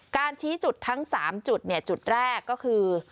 การชี้จุดทั้ง๓จุดจุดแรกก็คือ